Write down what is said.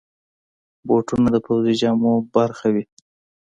بوټونه د پوځي جامو برخه وي.